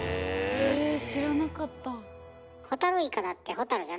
へえ知らなかった。